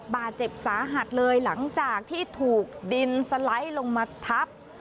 บาดเจ็บสาหัสเลยหลังจากที่ถูกดินสไลด์ลงมาทับ